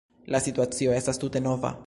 La situacio estas tute nova.